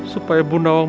supaya bunda wang